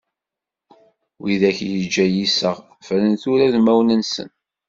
Wid akk yeǧǧa yiseɣ, ffren tura udmawen-nsen.